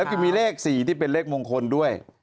แล้วก็มีเลข๔ที่เป็นเลขมงคลด้วย